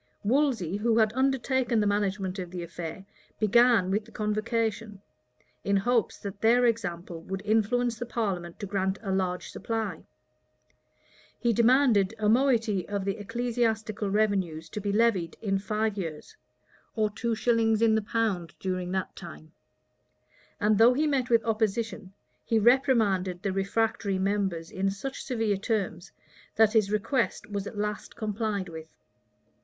Wolsey, who had undertaken the management of the affair, began with the convocation, in hopes that their example would influence the parliament to grant a large supply. He demanded a moiety of the ecclesiastical revenues to be levied in five years, or two shillings in the pound during that time; and though he met with opposition, he reprimanded the refractory members in such severe terms, that his request was at last complied with.